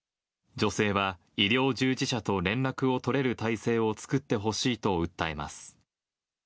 女性は、医療従事者と連絡を取れる体制を作ってほしいと訴えます。